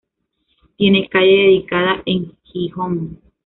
Tiene calle dedicada en Gijón.